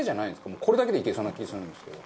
もうこれだけでいけそうな気するんですけど。